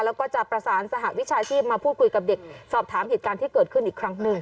แล้วก็จะประสานสหวิชาชีพมาพูดคุยกับเด็กสอบถามเหตุการณ์ที่เกิดขึ้นอีกครั้งหนึ่ง